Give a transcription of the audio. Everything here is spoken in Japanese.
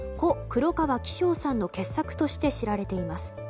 ・黒川紀章さんの傑作として知られています。